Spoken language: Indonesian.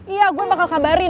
iya gua bakal kabarin